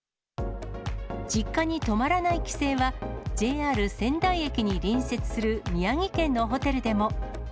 実家に泊まらない帰省は、ＪＲ仙台駅に隣接する宮城県のホテルでも。